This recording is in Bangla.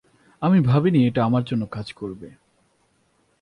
আমি ভাবিনি এটা আমার জন্য কাজ করবে।